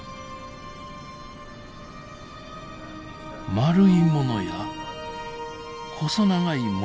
丸いものや細長いものなど。